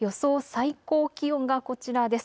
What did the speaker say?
最高気温がこちらです。